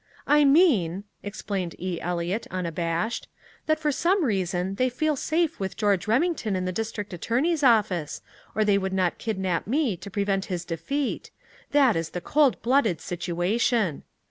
"I mean," explained E. Eliot unabashed, "that for some reason they feel safe with George Remington in the district attorney's office, or they would not kidnap me to prevent his defeat! That is the cold blooded situation."